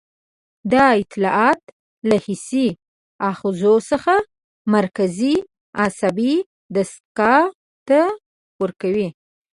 دا اطلاعات له حسي آخذو څخه مرکزي عصبي دستګاه ته ورکوي.